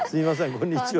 こんにちは。